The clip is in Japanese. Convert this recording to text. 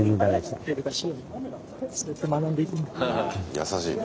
優しいね。